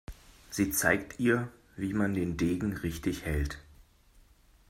Sie zeigt ihr, wie man den Degen richtig hält.